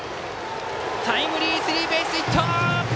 タイムリースリーベースヒット！